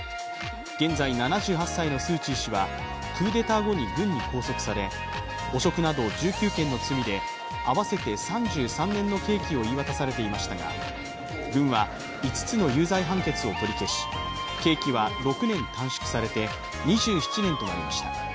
現在７８歳のスー・チー氏はクーデター後に軍に拘束され汚職など１９件の罪で合わせて３３年の刑期を言い渡されていましたが、軍は５つの有罪判決を取り消し、刑期は６年短縮されて２７年となりました。